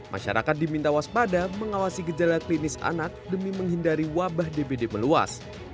masyarakat diminta waspada mengawasi gejala klinis anak demi menghindari wabah dbd meluas